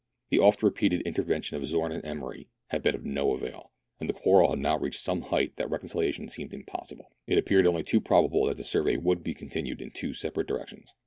The oft repeated intervention of Zorn and Emery had been of no avail, and the quarrel had now reached such a height that reconcilia tion seemed impossible. It appeared only too probable that the survey would be continued in two separate direc tions.